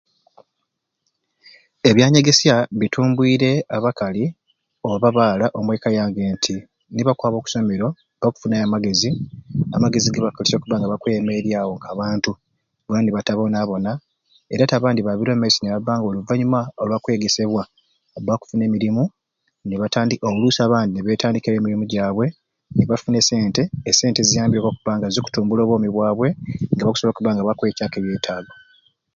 Ebyanyegesya bitumbuire abakali oba abala omweka yange nti nibakwaba okusomero bakufunayo amagezi, amagezi gebakubanga bakolesya okweyemeryawo nka'bantu bona nibatabonabona era'te abandi babire omumaiso nibanga oluvanyuma olwakwegesebwa bakufuna emirimu nibatandika olusi abandi nibetandikirawo emirimu jabwe nibafuna esente, esente eziyambire okubanga bakutumbula obwoomi bwabwe nga bakusobola okuba nga bakweikyaku ebyetaago.